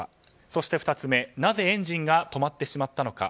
そして２つ目、なぜエンジンが止まってしまったのか。